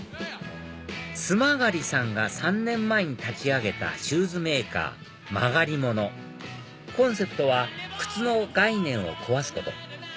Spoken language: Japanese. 津曲さんが３年前に立ち上げたシューズメーカーＭＡＧＡＲＩＭＯＮＯコンセプトは「靴の概念を壊すこと」